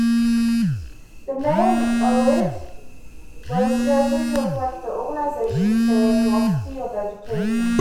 The name "Erowid" was chosen to reflect the organization's stated philosophy of education.